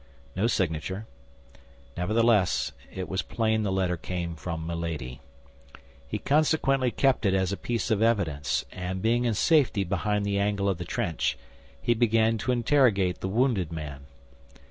No signature. Nevertheless it was plain the letter came from Milady. He consequently kept it as a piece of evidence, and being in safety behind the angle of the trench, he began to interrogate the wounded man.